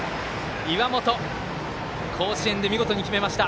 岩本、甲子園で見事に決めました。